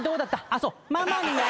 あっそう。